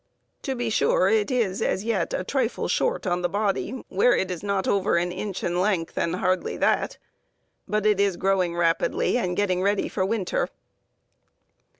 To be sure, it is as yet a trifle short on the body, where it is not over an inch in length, and hardly that; but it is growing rapidly and getting ready for winter.